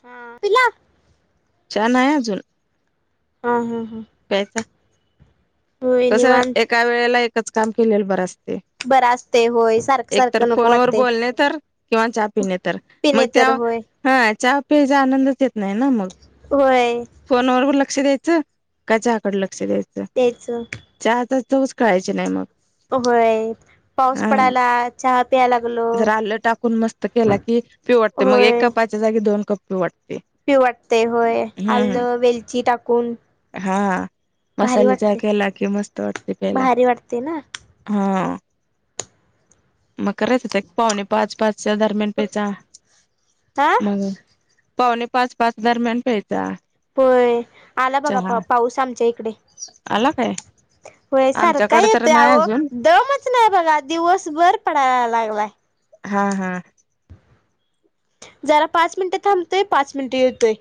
ह पिला, चहा आहे अजून, ह हा, हा पेयचा. होय कसं निवांत एका वेळेला एकच काम केलेलं बरं असत. बर असते होय सारखं एकत सारखं नको फोन व वाटते बोलणे तर किंवा चहा पिणे तर मग. पिणे तर चव होय हा चहाव. पचा आनंदच येत नाही ना मग होय फोनवर लक्ष द्यायचं का चहा कड लक्ष. दच तेच चहाता चवच कळायची नाही मग. हो होय. पाऊस हा पडायला चहा प्याय लागलो जर आलं टाकून मस्त केला कि पिवटते मग होय एका कपात. एक च्या जागी दोन कप. पिऊ वाटते पिऊ वाटते होय हम्म आलं वेलची टाकून. हा भारी मसाले चहा वाटते केला कि मस्त वाटते पेला भारी वाटते ना हा, मग करायच हो पाहणे पाच पाच, दरम्यान पेचा हा मग, पावणे पाच पाच दरम्यान प्यायचा. पय आला बघा पाऊस आमच्या ईक. अला काय. होय सारख आमच्याकडे तर येतोय नाही अहो अजून दमच नाही बघा दिवस भर पडायला लागला. हा हा. जरा पाच मिनिटे थांबतोय पाच मिनिटे येतोय.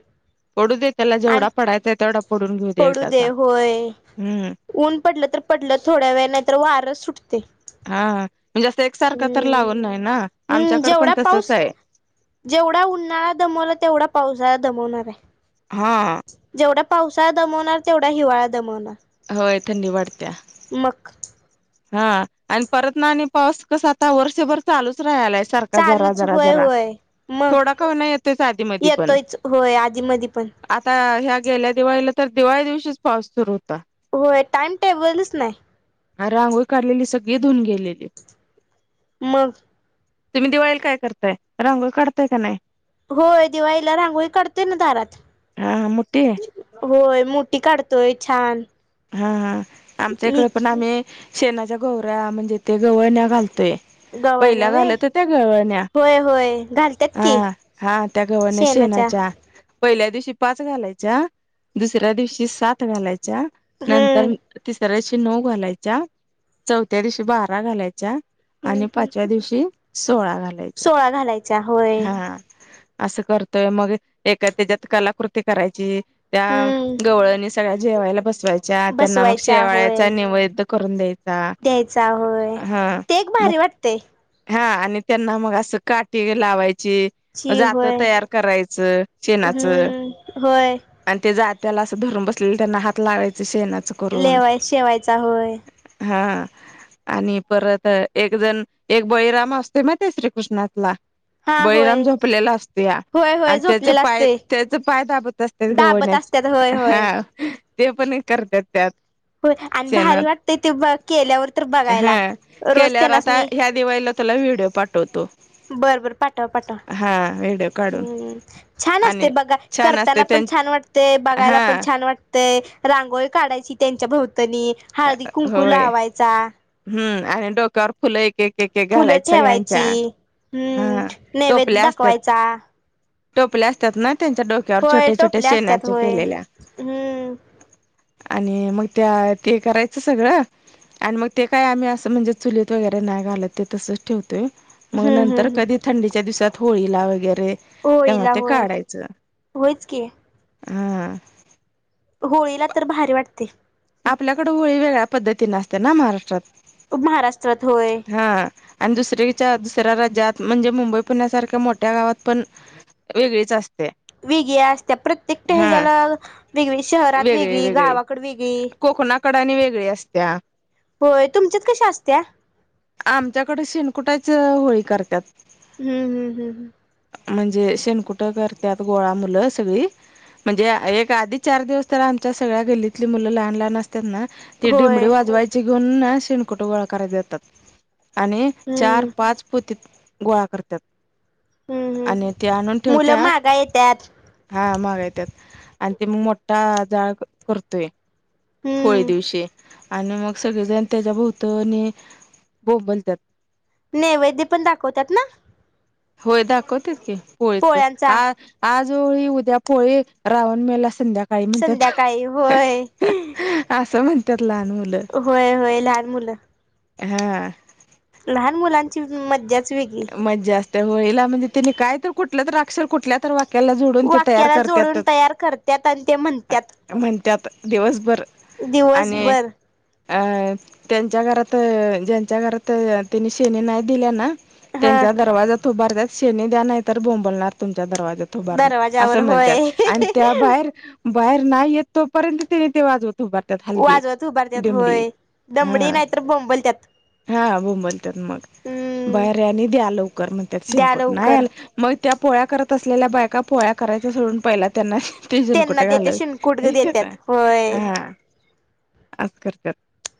पडू दे त्याला आणि जेवढा पडायय तेवढा. पडून घेऊ पडू एकदाचा दे होय हम्म ऊन पडलं तर पडलं थोड्या वेळ नाहीतर वार सुटत. हा म्हणजे असं एकसारखं तर हम्म लावून नाही ना हम्म आमच्याकड पण जेवढा तसच पाऊस आहे. जेवढा उन्हाळा दमवला तेवढा पावसाळा दमवणार आहे. हा. पावसाळ दमवणार तेवढा हिवाळा दमवणार. होय थंडी वाढत्या. मग. हा आणि परत ना आणि पाऊस कस आता वर्षभर चालूच. ला सार जरा चालूच जरा होय जरा होय मग थोडा का नाही येतो आधी म पण येतोयच होय आधी मधी पण. आता ह्या गेल्या दिवाळीला तर दिवाळी दिवशीच पाऊस सुरू होता. होय टाइम टेबलच नाही. रांगोई काढलेली सगळी धऊन गेलेली. मग. तुम्ही दिवाळीला काय करताय रंगोळी काढताय का नाही. होय दिवाळीला रांगोळी काढते ना दारात. हा मोठी आहे. होय मोठी काढतोय छान. हा हा आमच्या मी इकडे पण आम्ही. शेणाच्या गवऱ्या म्हणजे ते गवळ न घालतोय. गव्हाण्या पहिला व्हय घालत होत्या गवळण्या होय होय घालतात की हा हा त्या गवळण्या श शेणाच्या शेनाच्या. पहिल्या दिवशी पाच घालायच्या दुसऱ्या दिवशी सात घालायच्या नंतर. हम्म सतरा्या दिवशी नऊ घालायच्या चौथ्या दिवशी बारा घालायच्या. आणि हम्म पाचव्या दिवशी सोळा सोळा घालायचा घालायच्या होय हा. असं करतोय मग एका त्याच्यात कलाकृती करायची त्या हम्म गवळनी. सगळ्या जेवायला बसवायच्या त्यांना मग बसवायचा होय शेवाळ्याचा निैवेद करून द्यायचा. द्यायचा होय हा ते एक मग भारी वाटतेय. हा आणि त्यांना मग असं काटी लावायचं ची जात होय तयार करायच शेनाच हम्म होय आणि ते ज त्याला असं धरून बसलेलं त्यांना हात लागायच शेणाचं करून लेवाय शेवायचा होय हा. आणि परत एक जण एक बळीराम असतोय माहिती आहे श्रीकृष्णला? हा बळीराम होय झोपलेला असते या होय होय आणि त्याच झोपलेला पाय असते त्याच पाय दाबत असतात दाबत गवळण्या. असतात होय होय हा. ते पण करतात त्यात. होय आणि सेण भारी वाटते ते ब केल्यावर तर ह बघायला रोज केल्यावर त्यांनाच आता नी ह्या दिवाळीला त्याला व्हिडिओ पाठवतो. बरं, बरं पाठवा पाठवा. हा व्हिडिओ काढून हम्म, छान असते आणि बघा छान असते करताना पण त्यां छान वाटते बघायला हा पण छान वाट ते रांगोळी काढायची त्यांच्या भोवतणी हळदी कुंकू होय लावायचा. हम्म आणि डोक्यावर फुल एक के फुलं घालायच ठेवायची सगळ्यांच्या हम्म हा नैवेद्य टोपल्या असत्यात. दाखवायचा टोपले असतात ना. त्यांच्या डोक्यावर होय छोट्या छोट्या टोपल्या असत्यात शेनाच्या होय केलेल्या. हम्म आणि मग त्या ते करायचं सगळं आणि मग ते काय आम्ही असं म्हणजे चुलीत वगैरे नाही घालत ते तसंच ठेवतोय मग हम्म नंतर हम्म कधी थंडीच्या दिवसात होळीला वगैरे ह होळीला ते होय काढायच, होयच की हा. होळीला तर भारी वाटतय. आपलल्याकड होळी वेळवेगळ्या पद्धतीने असते ना महाराष्ट्रात. प महाराष्ट्रात होय हा आणि दुसरीच्या दुसऱ्या राज्यात म्हणजे मुंबई पुण्यासारख्या मोठ्या गावात पण वेगळीच अस वेगळी असत्या प्रत्येक टेहज्याला वेगळी शहरात वेगळी गावाकड वेग कोकणाकड आणि वेगळी असत्या. होय तुमच्यात कशा असत्या आमच्याकडे शेनकुटाच होळी करत्यात. हम्म, हम्म, हम्म. म्हणजे शेनकुटं करत्यात गोळा मुल सगळी म्हणजे एक आधी चार दिवस तर आमच्या सगळ्या गल्लीत ली मुल लहान लहान असत्यात ना ती दिमडी होय वाजवायची घेऊन ना शे कटगोळा करायातात आणि चार हम्म पाच पोती गोळा करत्यात. हम्म आणि हम्म ते आणून मुलं ठेवत्यात मागा येत्यात हा माव्या आणि ते म मोट्टा जाळ करतोय होळी हम्म दिवशी. आणि मग सगळेजण त्याच्या भोवतवणी बोंबलत्यात. नैवैद्य पण दाखवतात ना? होय दाखवत्यातकी पोळीच पोळ्यांचा आ आज जोळी उद्या पोळी रावण मेला संध्या संध्याकाळी होय. अस म्हणत्यात. होय होय, लहान मुल. हा. लहान मुलांची च मज्जा च मज्जा असते होळीला म्हणे त्याने काय तर कुठल्या तर अक्षर कुठल्या तर त्याला जोडून ते तयार वाक्याला जोडून करत्यातच तयार करत्यात आणि ते म्हणतात दिवसभर दिवसबर अं त्यांच्या घरात अ ज्यांच्या घरात त्यांनी शेनी नाही दिल्या ना हा त्यांच्या दरवाजा त उभारतत शेनी द्या नाही तर बोंबलणार तुमच्या दरवाजा अस दरवाजावर म्हणत्यात होय आणि त्या बाहेर बाहेर नाही येत तोपर्यंतने ते वाज त बार टे हालगे वाजवत उभारत्यात डेमडी होय दमडी हा नाहीतर बोंबलत्यात हा बोंबलत्यात मग हम्म बाहेर्या आणि द्या लवकर म्हणत्यात द्या सिनकोट नाही लवकर आला मग त्या पोळ्या करत असलेल्या बायका पोळ्या करायच्या सोडून पहिला त्यांना तिजून त्यांना कुटे घाल देते शिनकुट देत्यात होय हा अस करत्यात.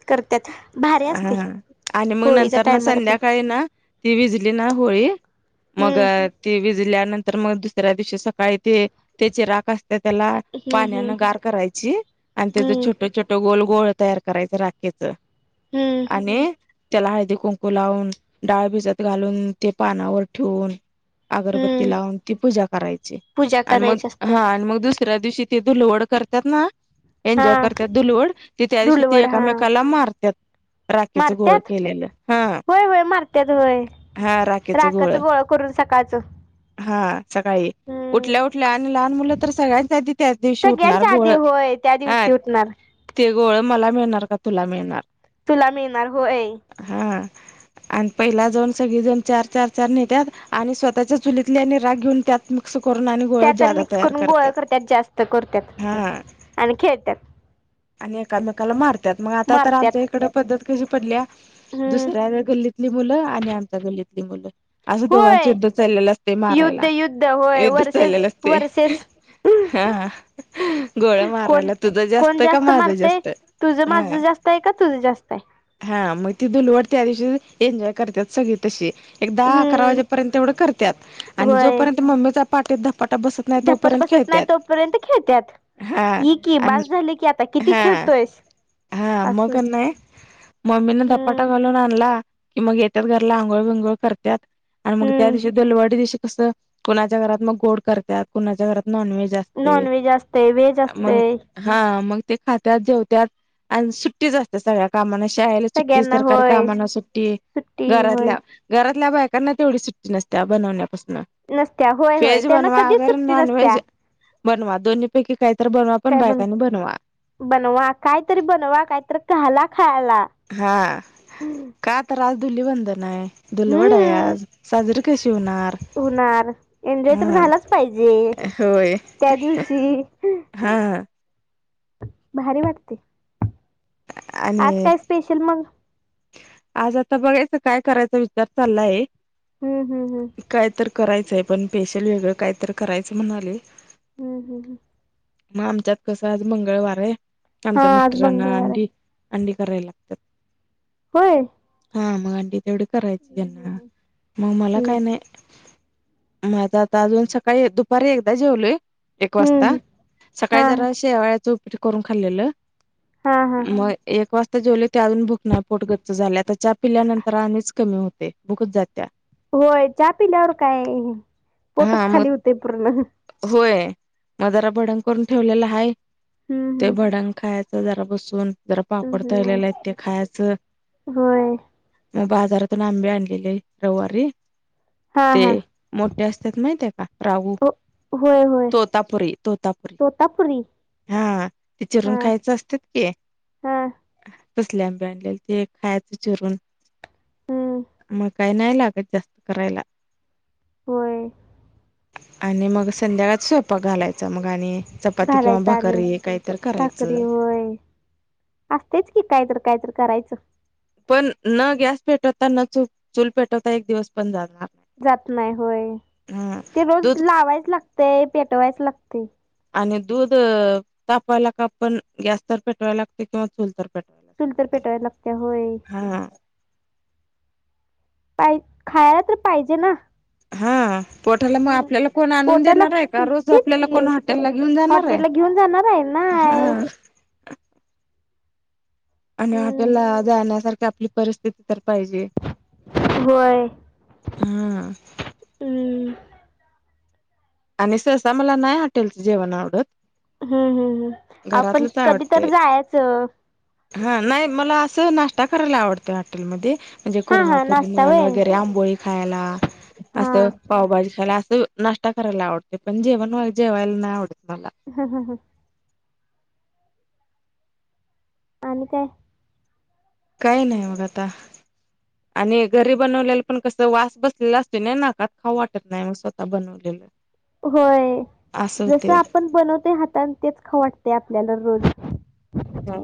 करत्यात भारी असतय हा आणि मग होळीच्या नंतर ना टायमाला पण संध्याकाळी ना ती विजली ना होळी मग हम्म ती विजल्यानंतर मग दुसऱ्या दिवशी श काय ते त्याचे रा त्याला हम्म पाण्यान हम्म गार करायची आणि त्याच हम्म छोट छोट गोल गोळ तयार करायच राखेच हम्म आणि त्याला हळदी कुंकू लावून डाळ भिजत घालून ते पानावर ठुन अगरबत्ती हम्म लावून, ती पूजा करायची पूजा आणि मग करायची असत्या हा आणि मग दुस दुसऱ्या दिशी ति ते लोड करत्यात ना एन्जॉय हा करत्यात दुलवड त त्या दिवशी ते धुलवड हा एकामेकाला मारत्यात राखीच गोळ मारत्यात केलेल हा हा राखेचं राखच गोळ करून सकाळच? हा सकाळी उठल्या उठल्या आणि लहान मुल तर सगळ्यांच्या आदी त्याच दिवशी उठणार सगळ्यांच्या गोळ आधी होय त्या हा दिवशी उठणार ते गोळ मला मिळणार? का तुला मिळणार? तुला मिळणार होय. [unintelligible] पहिला जन सगळीजण चार चार चार नेत्याात आणि स्वतःच्या चुलीतल्या आणि राग घेऊन त्यात मिक्स करून आणि गोळ त्यात जादा मिक्स तयार करून गोळा करत्यात करतत जास्त करतत हा आणि खेळतात आणि एकामेकाला मारतात मग आता तर आमच्या इकडे पद्धत कशी पडली हम्म दुसऱ्या गल्ली ली मुलं आणि आमच्या गल्लीतली मुलं असं दोघांचं होय युद्ध चाललेलं असते युद्ध मारायला युद्ध होय युद्ध वर्सेस चाललेल असते वर्सेस हा गोळ कोण मारायला तुझं कोण जास्त का माझं मारतय जास्त आहे तुझं माझं जास्त आहे का तुझं जास्त आहे हा मग ती दुलवट त्या दिवशी एन्जॉय करतात सगळी तशी एक दहा अकरा हम्म वाजेपर्यंत तेवढं करतात आणि जोपर्यंत मम्मीचा पाठी ध धप्पत बसत नाही तोपर्यंत खेळतत हा ह कि आणि बस झाली की आता किती हा खेळतोयस हा मक असं नाही मम्मीने दपाटा हम्म घालून आणला कि मग येतात घरला आंघोळ विघोळ करतात आणि मग त्या दिवशी हम्म दलवडी दिवशी कस कुणाच्या घरात मग गोड करत कुणाच्या घरात नॉन व्हेज असते नॉनव्हेज असतय व्हेज मग असतय हा मग ते खातात जेवतात आणि सुट्टीच असतेात सगळ्या कामाांना शाळेला सुट्टी सगळ्यांना सरकारी होय कामाना सुट्ट सुट्टी होय घरातल्या घरातल्या बायकांना तेवढी सुट्टी नसत्या बनवण्यापासून नसत्या होय होय व्हेज त्यांना बनवा कधीच अगर सुट्टी नॉन व्हेज नसत्या बनवा दोन्ही पैकी खायच काय बन बनवा कायतरी बनवा कायतरी कला हा का तर आज धुलीबंधन आहे धुलवड आहे हम्म आज साजरी चणारार होणार एन्जॉय तर झालाच पाहिजे होय त्या दिवशी हा भारी वाटते आज आणि काय स्पेशल मग आज आता बघायचं काय करायचा विचार चाललाय हम्म हम्म हम्म काय तर करायचंय पण पेशल वेगळं काय तर करायचं म्हणाले हम्म हम् ह मग आमच्यात कसं आहेज मंगळवार आहे हा आमच्या आज मिस्टरांना मंगळवार आहे आणी अंडी करायला लागतात होय हा मग आंटी तेवढी करायची हम्म त्यांना हम्म मग मला हम्म काय नाही म आझ आता अजून सकाळी दुपारी एकदा जेवलोय एक हम्म वाजता हम्म. सकाळी हा जरा शेवाळ्याचं उप करून खाल्लेलं हा हा मग एक वाजता जेवले ते अजून भुकणार पोटगत झाल्या तरच्या पिल्यानंतर आम्च कमी होते बुकच जात्या होय चहा पिल्यावर काय पोटच हा खाली मग होते पूर्ण होय मग जरा भडंग करून ठेवलेलं आहे ते हम्म भडंग खायचं जरा बसून जरा पापड हम्म हम्म. तळलेला आहेत ते खायचं होय मग बाजारातून आंबे आणलेले रविवारी हा ते हा मोठ असतात माहिते का राहू हो- होय होय तोतापुरी तोतापुरी तोतापुरी हा ते चिरून हा खायच असतात कि हा कसल्या आंब्या आणलेल ते खायच चिरून हम्म मग काही नाही लागत जास्त करायला होय आणि मग संध्याकाळच स्वयपा घालायचा मग आणि चपाती किंवा घालायचं आणि भाकारारी काहीत करायचं भाकरी होय असतेच की कायत कायतरी करायचं पण न गॅस पेटवता न चू चूल पेटवता एक दिवस पण झाला जात नाही होय ते रोज दूध लावायच लागतेय पेटवायच लागते आणि दूध तापावायला का आपण गॅस तर पेटवाय लागते किंवा चूल तर पेटवायलाच चुल तर लागते पेटायला लागते होय हा पाहि खायला तर पाहिजे ना हा पोठाला मग हम्म. आपल्याला कोण आणून पोटाला देणार आहे का रोज तीच आपल्याला की कोण हॉटेल ला घेऊन जाणार आहे हॉटेलला घेऊन जाणार आहे नाय हा आणि हम्म. हॉटेलला जाण्यासारखी आपली परिस्थिती सारख पाहिजे होय हा हम्म. आणि सहसा मला नाही हॉटेलचं जेवण आवडत हम्म हम्म हम् आपण घरातलंच कधी तर आवडते जायचं हा नाही मला असं नाश्ता करायला आवडतं हॉटेलमध्ये म्हणजे हा हा नाश्ता कोुरमापरमन वय वगैरे आंबोळी खायला हा असं पावभाजी खायला अस नष्टा करायला आवडते पण जेवण जेवायला नाही आवडते हा हम हा आणि काय काही नाही मग आता आणि घरी बनवलेलं पण कस वास बसलेला असत नाही नाका खाऊ वाटत नाही मग स्वतः बनवलेलं होय असं जस होते. आपण बनवतोय हातान तेच ख वाटते आपल्याला रोज हा